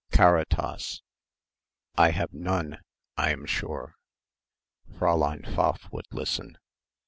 Caritas ... I have none I am sure.... Fräulein Pfaff would listen.